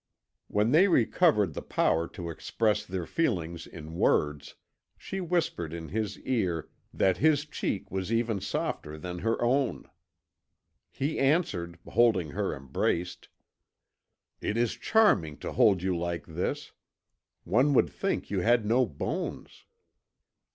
When they recovered the power to express their feelings in words, she whispered in his ear that his cheek was even softer than her own. He answered, holding her embraced: "It is charming to hold you like this. One would think you had no bones."